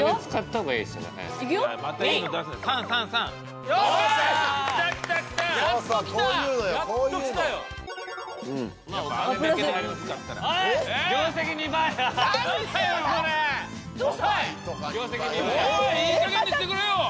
おいいいかげんにしてくれよ！